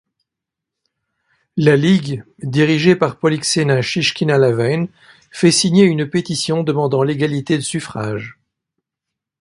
La ligue, dirigée par Poliksena Chichkina-Iaveïn fait signer une pétition demandant l'égalité de suffrage.